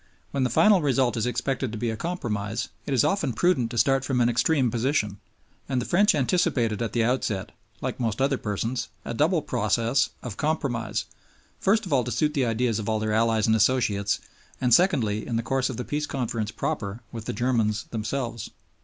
When the final result is expected to be a compromise, it is often prudent to start from an extreme position; and the French anticipated at the outset like most other persons a double process of compromise, first of all to suit the ideas of their allies and associates, and secondly in the course of the Peace Conference proper with the Germans themselves.